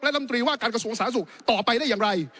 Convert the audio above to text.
ลำตรีว่าการกระทรวงสาธารณสุขต่อไปได้อย่างไร